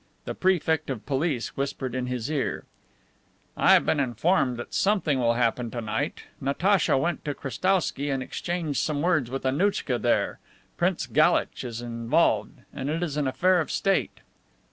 The Prefect of Police whispered in his ear: "I have been informed that something will happen to night. Natacha went to Krestowsky and exchanged some words with Annouchka there. Prince Galitch is involved, and it is an affair of State."